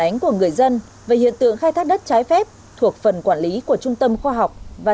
phản ánh của người dân về hiện tượng khai thác đất trái phép thuộc phần quản lý của trung tâm khoa học và